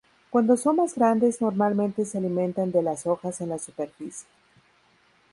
Cuando son más grandes normalmente se alimentan de las hojas en la superficie.